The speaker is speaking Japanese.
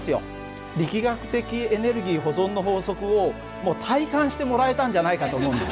力学的エネルギー保存の法則を体感してもらえたんじゃないかと思うんだ。